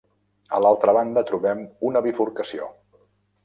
A l'altra banda trobem una bifurcació.